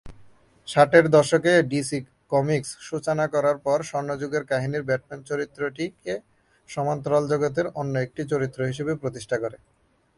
ষাটের দশকে DC comics সূচনা করার পর স্বর্ণযুগের কাহিনীর ব্যাটম্যান চরিত্রটিকে সমান্তরাল জগতের অন্য একটি চরিত্র হিসেবে প্রতিষ্ঠা করে।